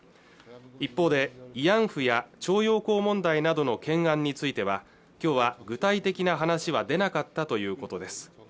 一方で慰安婦や徴用工問題などの懸案についてはきょうは具体的な話は出なかったということです